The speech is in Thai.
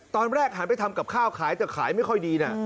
ตอนแรกหันไปทำกับข้าวขายแต่ขายไม่ค่อยดีนะ